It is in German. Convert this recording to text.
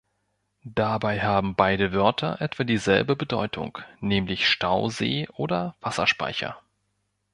Dabei haben beide Wörter etwa dieselbe Bedeutung, nämlich "Stausee" oder "Wasserspeicher".